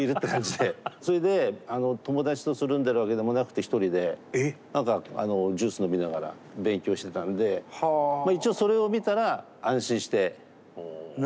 それで友達とつるんでるわけでもなくて１人で何かジュース飲みながら勉強してたんでまあ一応それを見たら安心して帰ってきて寝て。